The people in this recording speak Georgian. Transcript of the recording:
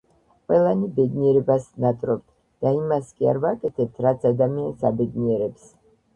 ყველანი ბედნიერებას ვნატრობთ და იმას კი არ ვაკეთებთ, რაც ადამიანს აბედნიერებს